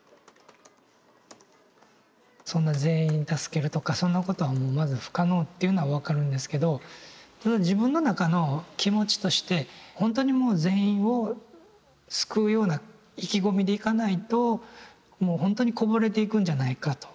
そんな全員助けるとかそんなことはまず不可能っていうのは分かるんですけどただ自分の中の気持ちとしてほんとにもう全員を救うような意気込みでいかないともうほんとにこぼれていくんじゃないかと。